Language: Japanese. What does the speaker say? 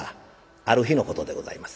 ある日のことでございます。